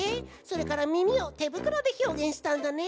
それからみみをてぶくろでひょうげんしたんだね。